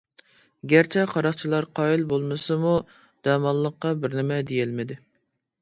گەرچە قاراقچىلار قايىل بولمىسىمۇ دەماللىققا بىرنېمە دېيەلمىدى.